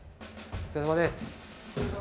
お疲れさまです。